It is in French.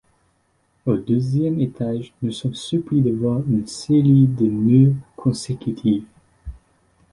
Au deuxième étage nous sommes surpris de voir une série de murs consécutifs.